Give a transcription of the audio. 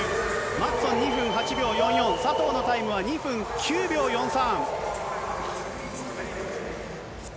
マッツォン２分８秒４４、佐藤のタイムは２分９秒４３。